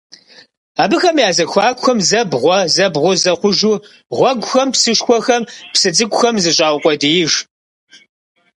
Абыхэм я зэхуакухэм зэ бгъуэ, зэ бгъузэ хъужу гъуэгухэм, псышхуэхэм, псы цӀыкӀухэм зыщаукъуэдииж.